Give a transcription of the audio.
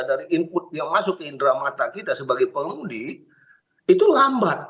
dari input yang masuk ke indera mata kita sebagai pemudik itu lambat